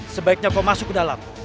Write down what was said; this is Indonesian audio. sebaiknya kau masuk ke dalam